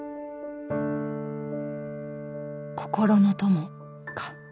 心の友か。